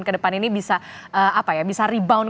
ke depan ini bisa rebound